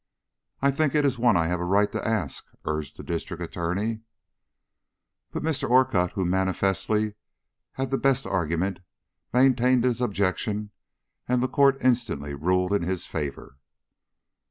"I think it is one I have a right to ask," urged the District Attorney. But Mr. Orcutt, who manifestly had the best of the argument, maintained his objection, and the Court instantly ruled in his favor.